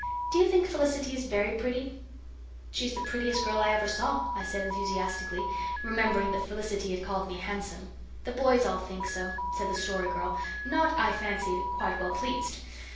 Do you think Felicity is VERY pretty?" "She's the prettiest girl I ever saw," I said enthusiastically, remembering that Felicity had called me handsome. "The boys all think so," said the Story Girl, not, I fancied, quite well pleased.